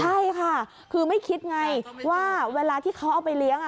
ใช่ค่ะคือไม่คิดไงว่าเวลาที่เขาเอาไปเลี้ยง